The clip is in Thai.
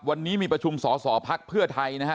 วันนี้มีประชุมสอสอพักเพื่อไทยนะฮะ